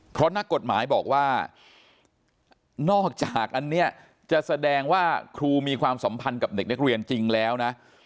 เพราะนักกฎหมายบอกว่านอกจากอันนี้จะแสดงว่าครูมีความสัมพันธ์กับเด็กนักเรียนจริงแล้วนะ